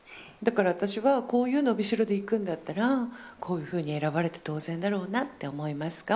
だから私はこういう伸びしろでいくんだったら、こういうふうに選ばれて当然だろうなって思います。